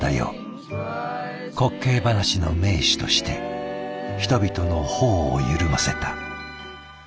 滑稽噺の名手として人々の頬を緩ませた。